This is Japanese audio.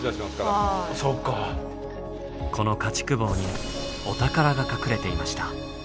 この家畜房にお宝が隠れていました。